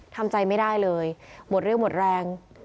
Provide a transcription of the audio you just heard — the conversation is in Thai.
ทำใจไม่ได้เลยหมดเรี่ยวหมดแรง